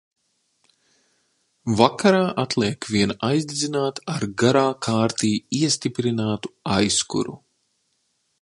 Vakarā atliek vien aizdedzināt ar garā kārtī iestiprinātu aizkuru.